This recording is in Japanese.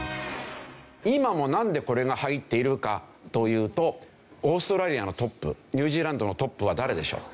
今もなんでこれが入っているかというとオーストラリアのトップニュージーランドのトップは誰でしょう？